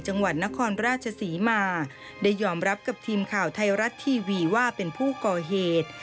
จังหวัดนครราชศรีมาได้ยอมรับกับทีมข่าวไทยรัฐทีวีว่าเป็นผู้ก่อเหตุ